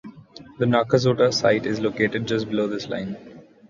The Nakazato site is located just below this line.